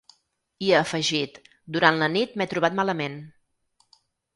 I ha afegit: Durant la nit m’he trobat malament.